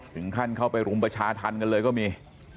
ถึงขั้นเข้าไปรุมประชาธรรมกันเลยก็มี